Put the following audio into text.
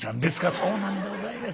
「そうなんでございます。